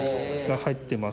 入ってます。